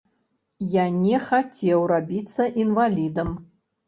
Я не хацеў рабіцца інвалідам.